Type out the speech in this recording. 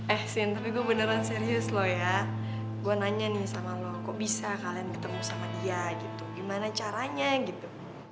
eh shin tapi gue beneran serius loh ya gue nanya nih sama lo kok bisa kalian ketemu sama dia gitu gimana caranya gitu